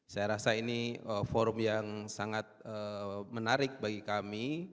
saya rasa ini forum yang sangat menarik bagi kami